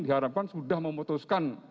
diharapkan sudah memutuskan